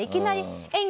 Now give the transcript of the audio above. いきなり。